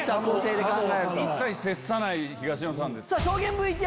一切接さない東野さんです。